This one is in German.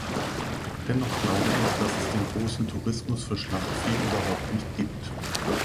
Dennoch glaube ich, dass es den großen Tourismus für Schlachtvieh überhaupt nicht gibt.